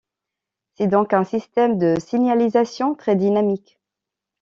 C’est donc un système de signalisation très dynamique.